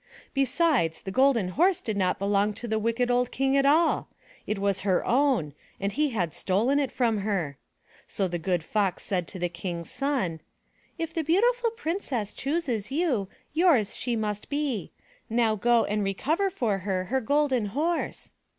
Besides, the Golden Horse did not belong to the wicked old King at all. It was her own and he had stolen it from her. So the good Fox said to the King's son: "If the Beautiful Princess chooses you, yours she must be. Go now and recover for her her Golden Horse."